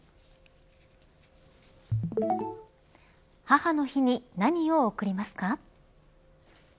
母の日に何を贈りますか。